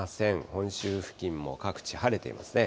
本州付近も各地、晴れていますね。